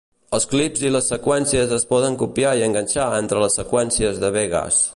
Els clips i les seqüències es poden copiar i enganxar entre les seqüències de Vegas.